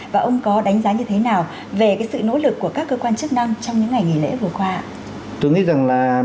và ông có đánh giá như thế nào về sự nỗ lực của các cơ quan chức năng trong những ngày nghỉ lễ vừa qua ạ